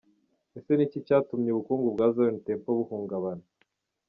Ese ni iki cyatumye ubukungu bwa Zion Temple buhungabana?.